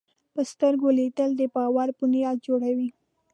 په سترګو لیدل د باور بنیاد جوړوي